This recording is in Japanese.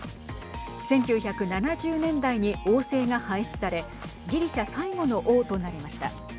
１９７０年代に王制が廃止されギリシャ最後の王となりました。